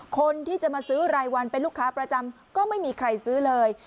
คนที่จะมาซื้อรายวันเป็นลูกค้าประจำก็ไม่มีใครซื้อเลย